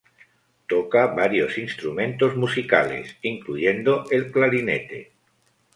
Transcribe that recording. Toca varios instrumentos musicales, incluyendo el clarinete.